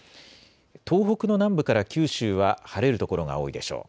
東北の南部から九州は晴れる所が多いでしょう。